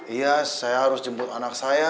iya saya harus jemput anak saya